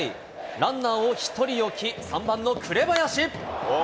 ランナーを１人置き、３番の紅林。